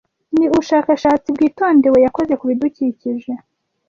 ni ubushakashatsi bwitondewe yakoze ku bidukikije